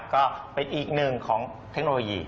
ก็เป็นอีกหนึ่งของเทคโนโลยี